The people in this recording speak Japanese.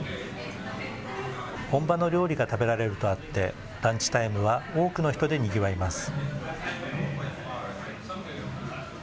本場の料理が食べられるとあって、ランチタイムは多くの人でにぎわいます。